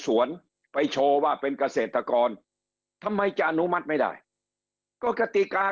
สวนไปโชว์ว่าเป็นเกษตรกรทำไมจะอนุมัติไม่ได้ก็กติกา